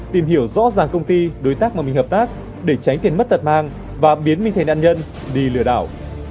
tìm hiểu rõ ràng công ty đối tác mà mình hợp tác để tránh tiền mất tật mang và biến mình thành nạn nhân đi lừa đảo